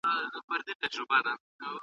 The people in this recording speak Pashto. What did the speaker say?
ځوانان ډیر رواني ملاتړ ته اړتیا لري.